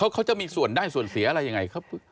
เขาจะมีส่วนได้ส่วนเสียอะไรยังไง